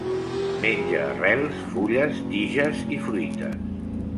Menja arrels, fulles, tiges i fruites.